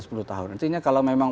pertama saat itu memang